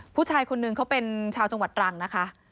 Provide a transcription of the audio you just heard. ผู้ชายคนนึงเขาเป็นชาวจังหวัดตรังนะคะ